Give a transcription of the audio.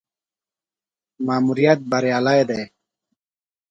ماموریت بریالی دی.